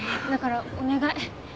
だからお願い。